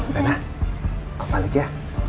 rena aku balik ya